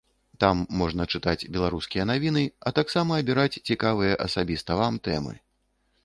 Там можна чытаць беларускія навіны, а таксама абіраць цікавыя асабіста вам тэмы.